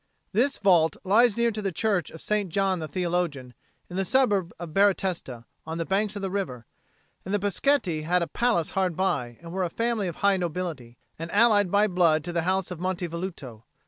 This vault lies near to the church of St. John the Theologian, in the suburb of Baratesta, on the banks of the river; and the Peschetti had a palace hard by, and were a family of high nobility, and allied by blood to the house of Monte Velluto.